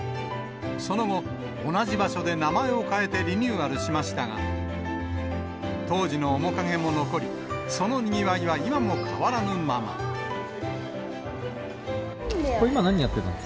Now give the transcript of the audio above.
その後、同じ場所で名前を変えてリニューアルしましたが、当時の面影も残り、今、何やってたの？